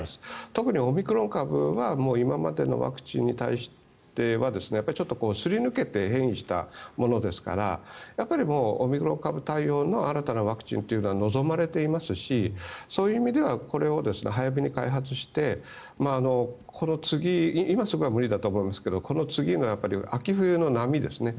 特にオミクロン株は今までのワクチンに対してちょっとすり抜けて変異したものですからオミクロン株対応の新たなワクチンというのが望まれていますしそういう意味ではこれを早めに開発してこの次、今すぐは無理だと思いますがこの次の秋冬の波ですね。